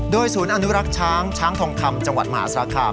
ศูนย์อนุรักษ์ช้างช้างทองคำจังหวัดมหาสารคาม